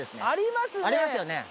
ありますよね。